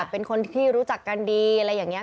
เป็นคนที่รู้จักกันดีอะไรอย่างนี้